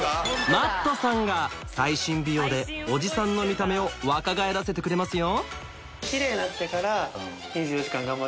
Ｍａｔｔさんが最新美容でおじさんの見た目を若返らせてくれますよ